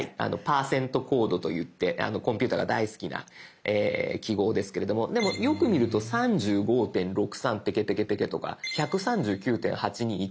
％コードといってコンピューターが大好きな記号ですけれどもでもよく見ると３５．６３ペケペケペケとか１３９．８２１